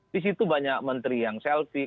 disitu banyak menteri yang selfie